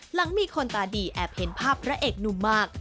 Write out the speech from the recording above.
หลังมีคนตาดีแอบเห็นภาพพระเอกหนุ่มมาก